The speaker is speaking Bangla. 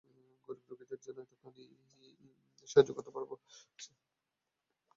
গরীব রোগীদের যে এতখানি সাহায্য করতে পারছে, এই কল্পনায় সে মশগুল।